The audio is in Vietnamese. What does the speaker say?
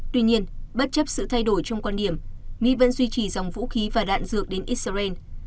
tuy nhiên bất chấp sự thay đổi trong quan điểm mỹ vẫn duy trì dòng vũ khí và đạn dược đến israel